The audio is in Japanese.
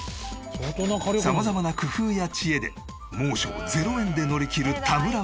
様々な工夫や知恵で猛暑を０円で乗りきる田村ファミリー。